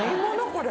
これ。